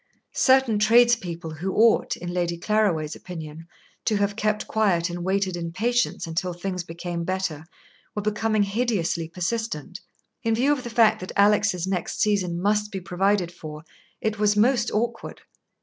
Certain tradespeople who ought, in Lady Claraway's opinion, to have kept quiet and waited in patience until things became better, were becoming hideously persistent. In view of the fact that Alix's next season must be provided for, it was most awkward.